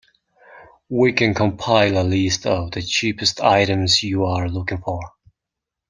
We can compile a list of the cheapest items you are looking for.